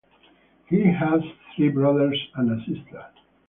He has three brothers and a sister.